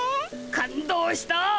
感動した。